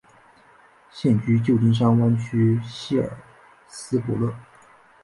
现居旧金山湾区希尔斯伯勒。